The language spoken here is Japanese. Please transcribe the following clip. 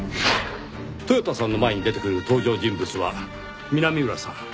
豊田さんの前に出てくる登場人物は南浦さん。